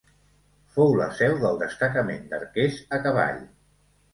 Fou la seu del destacament d'arquers a cavall.